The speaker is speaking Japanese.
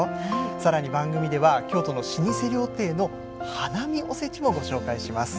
さらに番組では京都の老舗料亭の花見おせちもご紹介します。